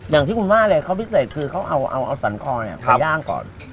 อย่างที่คุณว่าเลยเขาพิเศษคือเขาเอาสันคอไปย่างก่อน